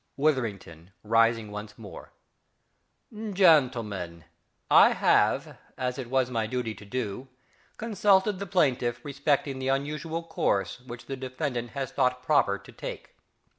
_) Witherington (rising once more). Gentlemen, I have, as it was my duty to do, consulted the plaintiff respecting the unusual course which the defendant has thought proper to take.